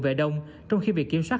về đông trong khi việc kiểm soát